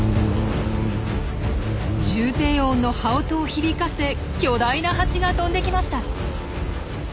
重低音の羽音を響かせ巨大なハチが飛んできました。